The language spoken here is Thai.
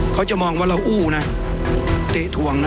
เขาจะมองว่าเราอู้นะเจ๊ทวงนะ